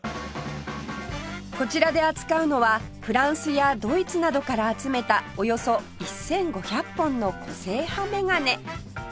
こちらで扱うのはフランスやドイツなどから集めたおよそ１５００本の個性派メガネ